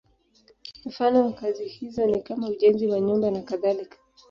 Mfano wa kazi hizo ni kama ujenzi wa nyumba nakadhalika.